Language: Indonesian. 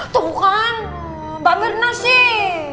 tuh kan mbak mirna sih